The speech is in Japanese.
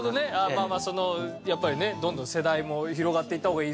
まあまあそのやっぱりねどんどん世代も広がっていった方がいいですもんね